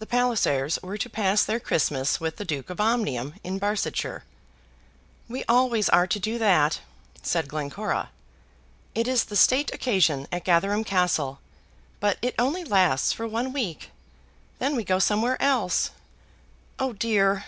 The Pallisers were to pass their Christmas with the Duke of Omnium in Barsetshire. "We always are to do that," said Glencora. "It is the state occasion at Gatherum Castle, but it only lasts for one week. Then we go somewhere else. Oh dear!"